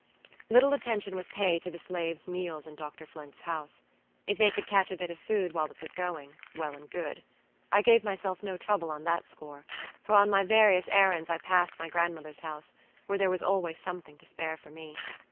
Little attention was paid to the slaves' meals in Dr. Flint's house. If they could catch a bit of food while it was going, well and good. I gave myself no trouble on that score, for on my various errands I passed my grandmother's house, where there was always something to spare for me.